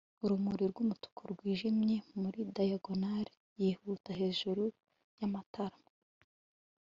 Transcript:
Urumuri rwumutuku rwinjiye muri diagonal yihuta hejuru yamatama